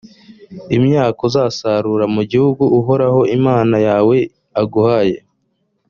imyaka uzasarura mu gihugu uhoraho imana yawe aguhaye.